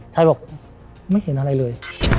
ชายบอกไม่เห็นอะไรเลย